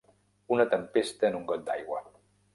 Una tempesta en un got d'aigua.